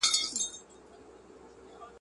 هغه څوک چي تمرين کوي قوي وي